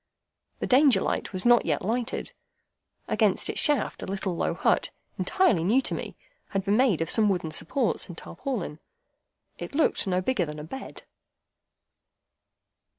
The Danger light was not yet lighted. Against its shaft, a little low hut, entirely new to me, had been made of some wooden supports and tarpaulin. It looked no bigger than a bed.